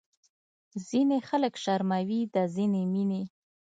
ځینې خلک شرموي دا ځینې مینې